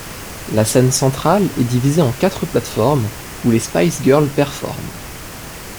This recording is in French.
La scène centrale est divisée en quatre plateformes, où les Spice Girls performent.